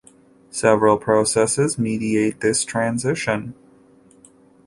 Several processes mediate this transition.